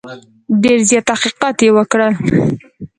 ډېر زیات تحقیقات یې وکړل.